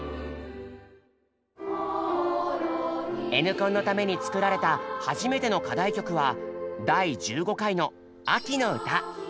「Ｎコン」のために作られた初めての課題曲は第１５回の「秋の歌」。